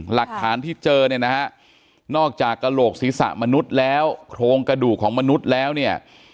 หลักฐานที่เจอเนี่ยนะฮะนอกจากกระโหลกศีรษะมนุษย์แล้วโครงกระดูกของมนุษย์แล้วเนี่ย